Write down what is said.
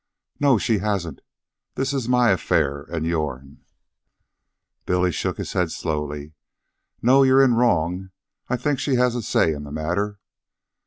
"No, she hasn't. This is my affair an' yourn." Billy shook his head slowly. "No; you're in wrong. I think she has a say in the matter."